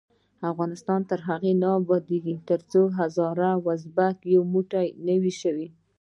افغانستان تر هغو نه ابادیږي، ترڅو هزاره او ازبک یو موټی نه وي شوي.